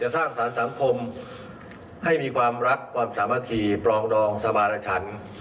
สำหรับสั่งความแลกของชาวไทย